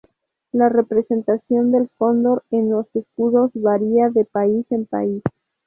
La representación del cóndor en los escudos varía de país en país.